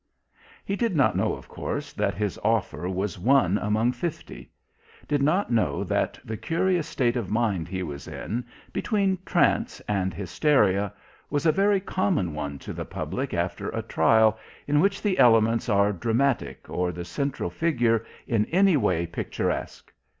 He did not know, of course, that his offer was one among fifty; did not know that the curious state of mind he was in, between trance and hysteria, was a very common one to the public after a trial in which the elements are dramatic or the central figure in any way picturesque.